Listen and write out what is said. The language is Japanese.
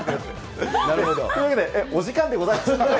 というわけでお時間でございます。